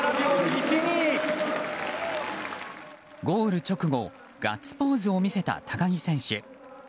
ゴール直後ガッツポーズを見せた高木選手。